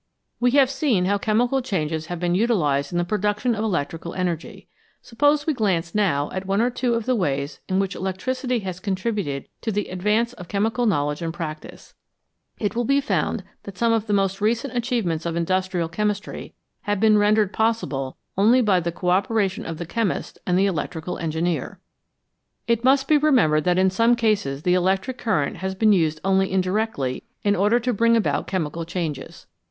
We have seen how chemical changes have been utilised in the production of electrical energy ; suppose we glance now at one or two of the ways in which electricity has contributed to the advance of chemical knowledge and practice. It will be found that some of the most recent achievements of industrial chemistry have been rendered possible only by the co operation of the chemist and the electrical engineer. It must be remembered that in some cases the electric current has been used only indirectly in order to bring about chemical changes.